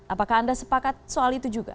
apakah anda sepakat soal itu juga